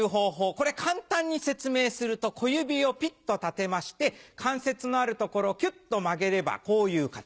これ簡単に説明すると小指をピッと立てまして関節のある所をキュっと曲げればこういう形。